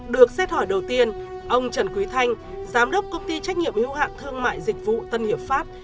được xét hỏi đầu tiên ông trần quý thanh giám đốc công ty trách nhiệm hữu hạn thương mại dịch vụ tân hiệp pháp